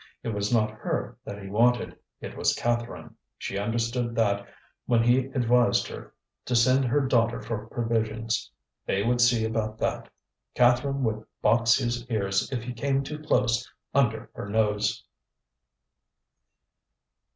It was not her that he wanted, it was Catherine; she understood that when he advised her to send her daughter for provisions. They would see about that. Catherine would box his ears if he came too close under her nose.